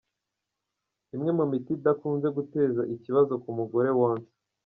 Imwe mu miti idakunze guteza ikibazo ku mugore wonsa.